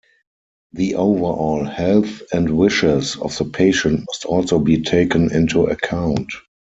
The overall health and wishes of the patient must also be taken into account.